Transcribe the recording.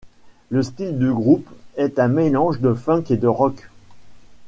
Le style du groupe est un mélange de funk et de rock.